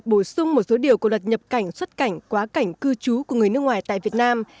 bổ sung một số điều của luật nhập cảnh xuất cảnh quá cảnh cư trú của người nước ngoài tại việt nam